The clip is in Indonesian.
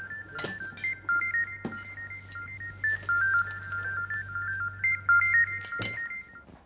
tadi itu si alva itu nangis